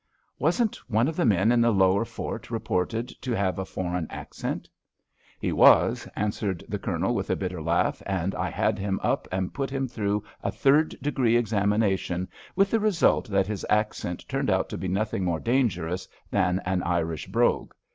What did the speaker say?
"Wasn't one of the men in the lower fort reported to have a foreign accent?" "He was," answered the Colonel, with a bitter laugh, "and I had him up and put him through a third degree examination, with the result that his accent turned out to be nothing more dangerous than an Irish brogue.